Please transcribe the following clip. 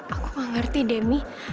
aku gak ngerti demi